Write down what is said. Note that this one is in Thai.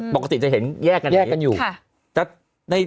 ปกติจะเห็นแยกกับไหน